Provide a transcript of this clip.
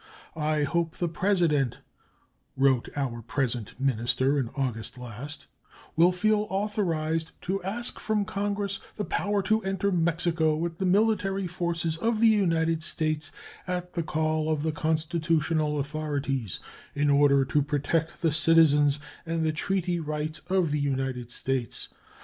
"I hope the President," wrote our present minister in August last, "will feel authorized to ask from Congress the power to enter Mexico with the military forces of the United States at the call of the constitutional authorities, in order to protect the citizens and the treaty rights of the United States.